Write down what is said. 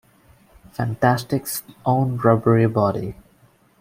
Fantastic's own rubbery body.